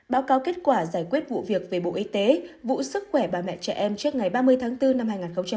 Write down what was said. báo cáo kết quả giải quyết vụ việc về bộ y tế vụ sức khỏe bà mẹ trẻ em trước ngày ba mươi tháng bốn năm hai nghìn hai mươi